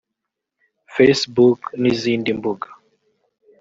Facebook n’izindi mbuga